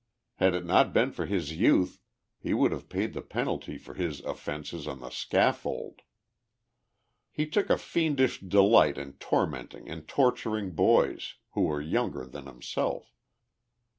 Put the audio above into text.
Had it not been for his youth he would have paid the penalty for his offences on the scaffold. lie took a fiendish delight in tormenting and torturing hoys, who were younger than himself.